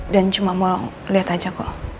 dan cuma mau lihat aja kok